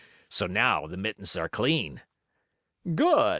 So, now the mittens are clean." "Good!"